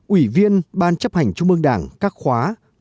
ủy viên ban chấp hành trung ương đảng các khóa bảy tám